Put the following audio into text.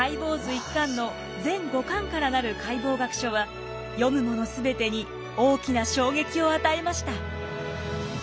１巻の全５巻からなる解剖学書は読むもの全てに大きな衝撃を与えました。